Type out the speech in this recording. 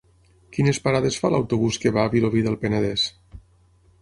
Quines parades fa l'autobús que va a Vilobí del Penedès?